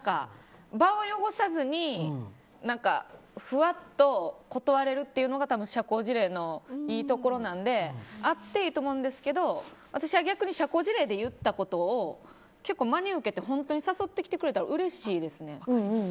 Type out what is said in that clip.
場を汚さずにふわっと断れるっていうのが多分社交辞令のいいところなのであっていいとは思うんですが私は逆に社交辞令で言ったことを結構真に受けて本当に誘ってきてくれたらうれしいですね。